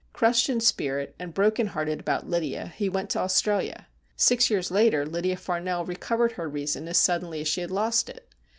Crushed in spirit and broken hearted about Lydia, he went to Australia. Six years later Lydia Farnell recovered her reason as suddenly as she had lost it.